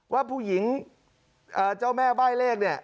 ว่าผู้หญิงเจ้าแม่ใบ้เลขเนี่ย